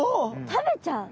食べちゃう？